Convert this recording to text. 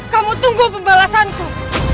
kamu tunggu pembalasanku